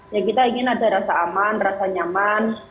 ya kita ingin ada rasa aman rasa nyaman